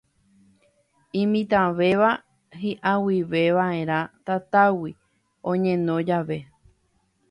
Imitãvéva hiʼag̃uivevaʼerã tatágui oñeno jave.